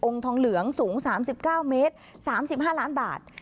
องค์ทองเหลืองสูงสามสิบเก้าเมตรสามสิบห้าล้านบาท